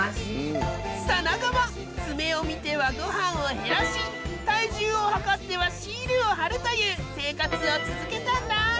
その後も爪を見てはご飯を減らし体重をはかってはシールを貼るという生活を続けたんだ。